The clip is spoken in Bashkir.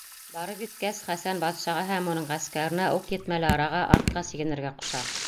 Барып еткәс, Хәсән батшаға һәм уның ғәскәренә уҡ етмәле араға артҡа сигенергә ҡуша.